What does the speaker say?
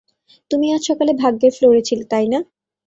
তুমি আজ সকালে ভাগ্যের ফ্লোরে ছিলে, তাই না?